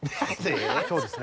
今日ですね。